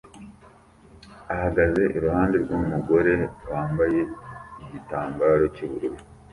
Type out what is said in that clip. ahagaze iruhande rwumugore wambaye igitambaro cyubururu